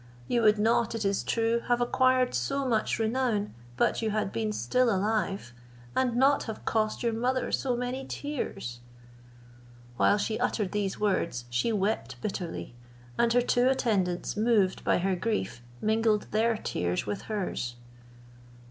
You would not, it is true, have acquired so much renown, but you had been still alive, and not have cost your mother so many tears." While she uttered these words, she wept bitterly, and her two attendants moved by her grief, mingled their tears with hers.